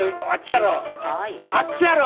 あっちやろ！